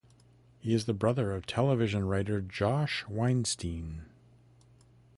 He is the brother of television writer Josh Weinstein.